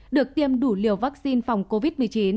được tiêm đủ liều vaccine phòng covid một mươi chín